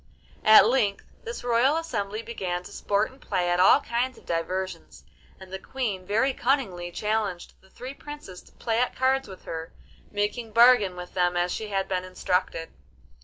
At length this royal assembly began to sport and play at all kinds of diversions, and the Queen very cunningly challenged the three Princes to play at cards with her, making bargain with them as she had been instructed.